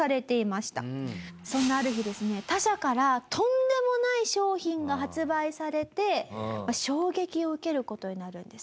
そんなある日ですね他社からとんでもない商品が発売されて衝撃を受ける事になるんです。